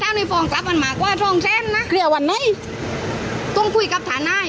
ตั๊งตั๊งหนึ่งตั๊งหนึ่งตั๊งหนึ่งต้องคุยกับธนาย